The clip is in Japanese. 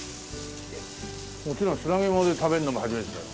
もちろん砂肝で食べるのが初めてだよ。